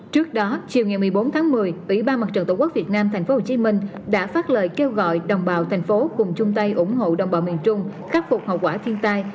trước đó chiều ngày một mươi bốn tháng một mươi ủy ban mặt trận tổ quốc việt nam tp hcm đã phát lời kêu gọi đồng bào thành phố cùng chung tay ủng hộ đồng bào miền trung khắc phục hậu quả thiên tai